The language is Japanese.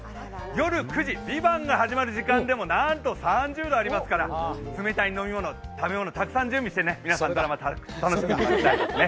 夜９時、「ＶＩＶＡＮＴ」が始まる時間でもなんと３０度ありますから冷たい飲み物、食べ物をたくさん準備して皆さん、ドラマを楽しんでいただきたいですね。